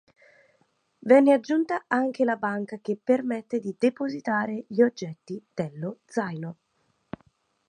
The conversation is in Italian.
Viene aggiunta anche la banca che permette di depositare gli oggetti dello zaino.